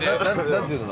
何ていうの？